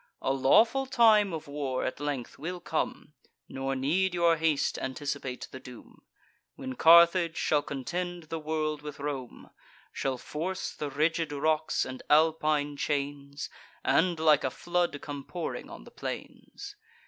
A lawful time of war at length will come, (Nor need your haste anticipate the doom), When Carthage shall contend the world with Rome, Shall force the rigid rocks and Alpine chains, And, like a flood, come pouring on the plains.